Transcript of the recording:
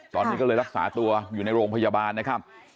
ตอนนี้ก็เลยรักษาตัวอยู่ในโรงพยาบาลนะครับ